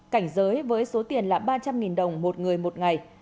cảnh giới với số tiền là ba trăm linh đồng một người một ngày